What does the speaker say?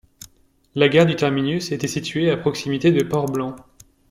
La gare du terminus était située à proximité de Port-blanc.